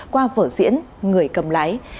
qua vở diễn người cầm lái